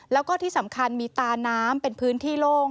แล้วก็ที่สำคัญมีตาน้ำเป็นพื้นที่โล่ง